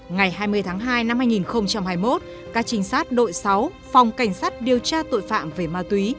ngày hai mươi tháng hai năm hai nghìn hai mươi một các trinh sát đội sáu phòng cảnh sát điều tra tội phạm về ma túy